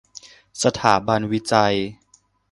สถาบันวิจัย